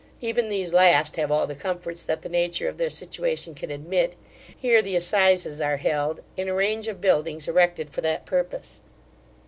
Even these last have all the comforts that the nature of their situation can admit. Here the assizes are held, in a range of buildings erected for that purpose.